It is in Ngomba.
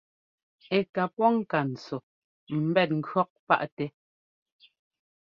Ɛ́ ká pɔ́ ŋka ntsɔ ḿbɛt ŋkʉ̈ɔk paʼtɛ.